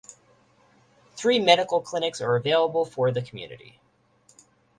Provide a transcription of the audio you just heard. Three medical clinics are available for the community.